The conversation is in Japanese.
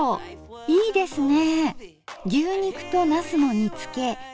いいですね。